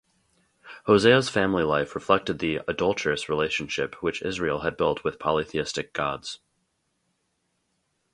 Hosea's family life reflected the "adulterous" relationship which Israel had built with polytheistic gods.